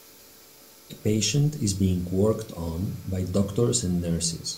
A patient is being worked on by doctors and nurses.